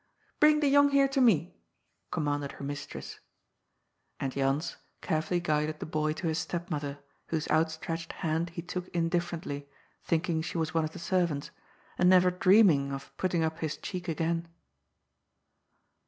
" Bring the young Heer to me," commanded her mistress. And Jans carefully guided the boy to his stepmother, whose outstretched hand he took indifferently, thinking she was one of the servants, and never dreaming of putting up his cheek again.